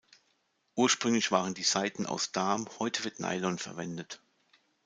Ursprünglich waren die Saiten aus Darm, heute wird Nylon verwendet.